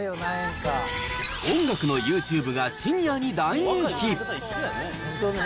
音楽のユーチューブがシニアに大人気。